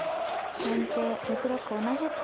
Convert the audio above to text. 先手６六同じく角。